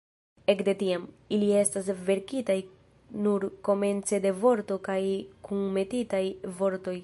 Ekde tiam, ili estas verkitaj nur komence de vorto kaj kunmetitaj vortoj.